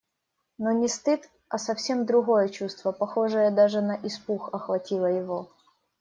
Но не стыд, а совсем другое чувство, похожее даже на испуг, охватило его.